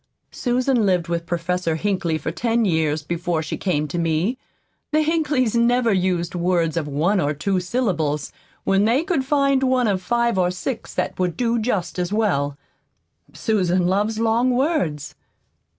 "Susan lived with Professor Hinkley for ten years before she came to me. The Hinkleys never used words of one or two syllables when they could find one of five or six that would do just as well. Susan loves long words."